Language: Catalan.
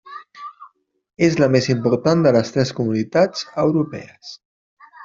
És la més important de les tres Comunitats Europees.